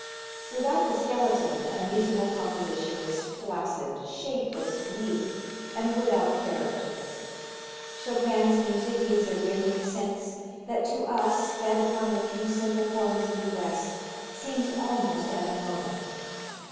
Without the skeleton a musical composition is flaccid, shapeless, weak and without character. Chopin's music needs a rhythmic sense that to us, fed upon the few simple forms of the West, seems almost abnormal.